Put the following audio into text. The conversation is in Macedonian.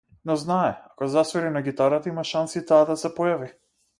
Но знае, ако засвири на гитарата, има шанси таа да се појави.